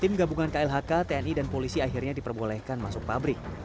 tim gabungan klhk tni dan polisi akhirnya diperbolehkan masuk pabrik